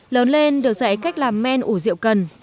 lớn lên được dạy cách làm men ủ rượu cần